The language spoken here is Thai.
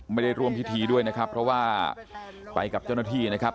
ไม่ได้ร่วมพิธีด้วยนะครับเพราะว่าไปกับเจ้าหน้าที่นะครับ